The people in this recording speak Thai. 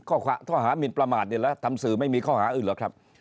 ข้อหามินประมาทนี่แหละทำสื่อไม่มีข้อหาอื่นหรอกครับ